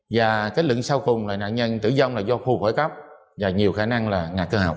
và kết luận sau cùng là nạn nhân tử vong là do khu khởi cấp và nhiều khả năng là ngạc cơ học